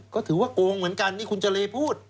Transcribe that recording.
ก็ถือว่าโกงเหมือนกันนี่คุณเจรพูด